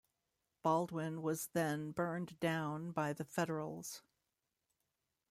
Baldwin was then burned down by the Federals.